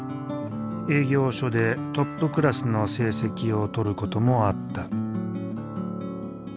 営業所でトップクラスの成績をとることもあった。